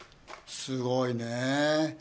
すごいね。